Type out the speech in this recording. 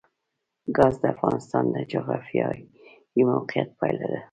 ګاز د افغانستان د جغرافیایي موقیعت پایله ده.